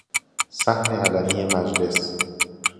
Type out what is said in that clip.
صحن علنی مجلس